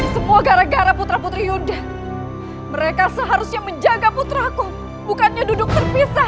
semua gara gara putra putri yunda mereka seharusnya menjaga putraku bukannya duduk terpisah